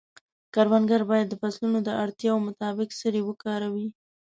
کروندګر باید د فصلونو د اړتیاوو مطابق سرې وکاروي.